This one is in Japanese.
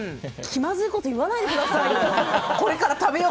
気まずいこと言わないでくださいよ